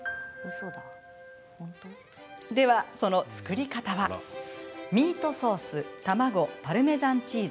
ではその作り方はミートソース卵パルメザンチーズ